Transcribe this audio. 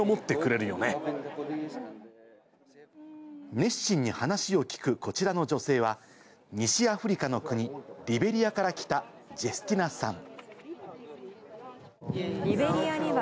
熱心に話を聞くこちらの女性は、西アフリカの国・リベリアから来た、ジェスティナさん。